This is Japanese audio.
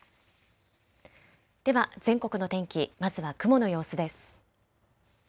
では全国の天気、まずは雲の様子です。